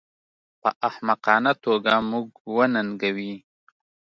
په احمقانه توګه موږ وننګوي